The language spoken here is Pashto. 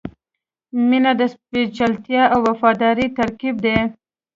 • مینه د سپېڅلتیا او وفادارۍ ترکیب دی.